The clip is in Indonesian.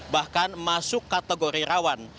bahkan masuk kategori rawan